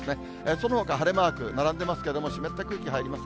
そのほか晴れマーク並んでいますけれども、湿った空気入ります。